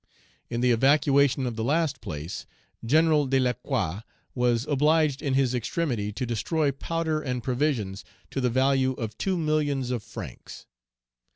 In the evacuation of the last place, General de Lacroix was obliged in his extremity to destroy powder and provisions to the value of two millions of francs.